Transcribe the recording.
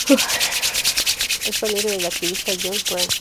Es pariente del activista John Francis.